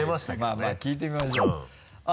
まぁ聞いてみましょう。